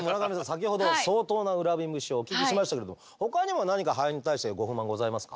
先ほど相当な恨み節をお聞きしましたけれどほかにも何かハエに対してはご不満ございますか？